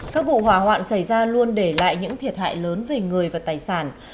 các vụ hỏa hoạn xảy ra luôn để lại những thiệt hại lớn về người và tài sản